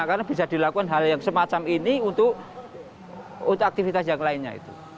karena bisa dilakukan hal yang semacam ini untuk aktivitas yang lainnya